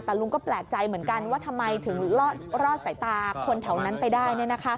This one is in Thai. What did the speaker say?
แต่ลุงก็แปลกใจเหมือนกันว่าทำไมถึงรอดสายตาคนแถวนั้นไปได้